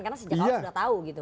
karena sejak awal sudah tahu gitu